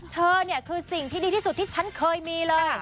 เธอเนี่ยคือสิ่งที่ดีที่สุดที่ฉันเคยมีเลย